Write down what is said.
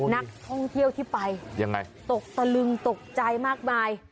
นักท่องเที่ยวที่ไปยังไงตกตะลึงตกใจมากมาย